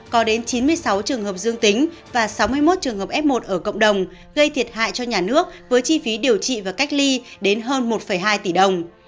có đến chín mươi sáu trường hợp dương tính và sáu mươi một trường hợp f một ở cộng đồng gây thiệt hại cho nhà nước với chi phí điều trị và cách ly đến hơn một hai tỷ đồng